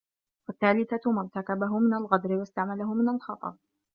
وَالثَّالِثَةُ مَا ارْتَكَبَهُ مِنْ الْغَدْرِ ، وَاسْتَعْمَلَهُ مِنْ الْخَطَرِ